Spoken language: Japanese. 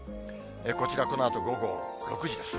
こちら、このあと午後６時です。